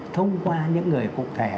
thông qua những người cục thể